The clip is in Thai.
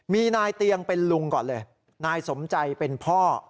มีนายเตียงเป็นลุงก่อนเลยนายสมใจเป็นพ่อ